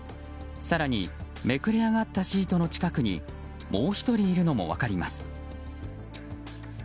更に、めくれ上がったシートの近くにもう１人いるのも分かります。